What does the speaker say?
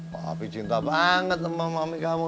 papi cinta banget sama mami kamu